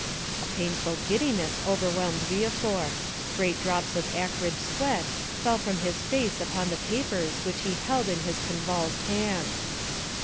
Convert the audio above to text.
A painful giddiness overwhelmed Villefort; great drops of acrid sweat fell from his face upon the papers which he held in his convulsed hand.